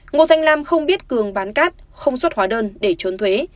ngô thanh lam không biết cường bán cát không xuất hóa đơn để trốn thuế